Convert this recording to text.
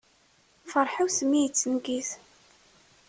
Ferḥ-iw s mmi yettneggiz.